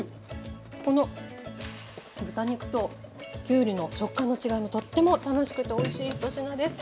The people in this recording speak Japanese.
この豚肉ときゅうりの食感の違いもとっても楽しくておいしい１品です。